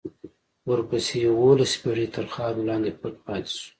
ورپسې یوولس پېړۍ تر خاورو لاندې پټ پاتې شو.